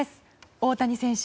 大谷選手